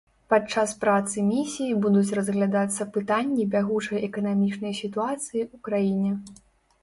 Падчас працы місіі будуць разглядацца пытанні бягучай эканамічнай сітуацыі ў краіне.